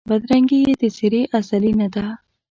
بدرنګي یې د څېرې ازلي نه ده